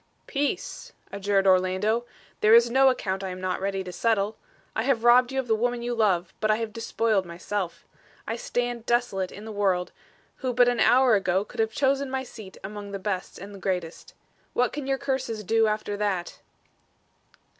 "Peace!" adjured Orlando. "There is no account I am not ready to settle. I have robbed you of the woman you love, but I have despoiled myself. I stand desolate in the world, who but an hour ago could have chosen my seat among the best and greatest. What can your curses do after that?"